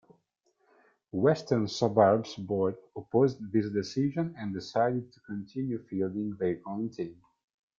Western Suburbs board opposed this decision and decided to continue fielding their own team.